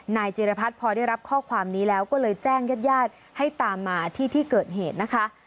จิรพัฒน์พอได้รับข้อความนี้แล้วก็เลยแจ้งญาติญาติให้ตามมาที่ที่เกิดเหตุนะคะ